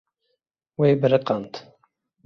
Wê biriqand.